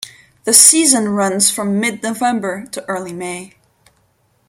The season runs from mid-November to early May.